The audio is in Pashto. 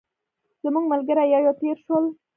زموږ ملګري یو یو تېر شول.